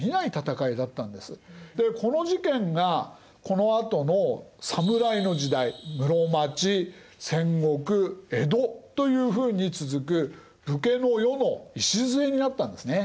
でこの事件がこのあとの侍の時代室町・戦国・江戸というふうに続く武家の世の礎になったんですね。